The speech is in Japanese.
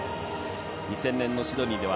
２０００年のシドニーでは